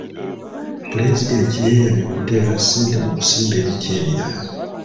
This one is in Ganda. Pulezidenti yeeyamye okuteeka ssente mu kusimba emiti emirala.